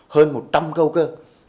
hơn một trăm linh câu cơ